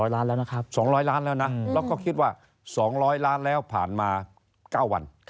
ล้านแล้วนะครับ๒๐๐ล้านแล้วนะแล้วก็คิดว่า๒๐๐ล้านแล้วผ่านมา๙วัน